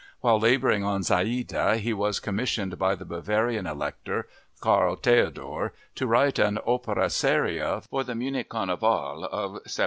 While laboring on Zaide he was commissioned by the Bavarian Elector, Carl Theodor, to write an opera seria for the Munich Carnival of 1781.